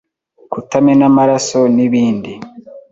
kutamena amaraso n’ibindi